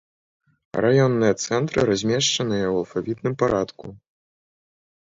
Раённыя цэнтры размешчаныя ў алфавітным парадку.